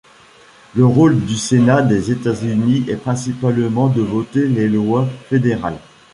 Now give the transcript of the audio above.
Le rôle du Sénat des États-Unis est principalement de voter les lois fédérales.